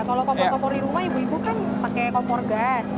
kalau kompor kompor di rumah ibu ibu kan pakai kompor gas